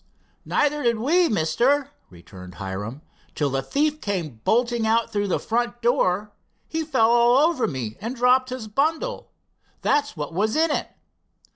"Neither did we, Mister," returned Hiram, "till the thief came bolting out through that front door. He fell all over me and dropped his bundle. There's what was in it."